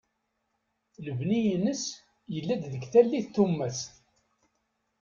Lebni-ines yella-d deg tallit tummast.